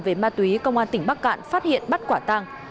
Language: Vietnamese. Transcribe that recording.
về ma túy công an tỉnh bắc cạn phát hiện bắt quả tang